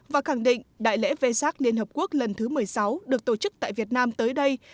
và khẳng định đại lễ vê sát liên hợp quốc lần thứ một mươi sáu được tổ chức tại việt nam tới đây